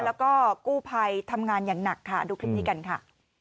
แล้วก็กู้ภัยทำงานอย่างหนักค่ะดูคลิปนี้กันค่ะ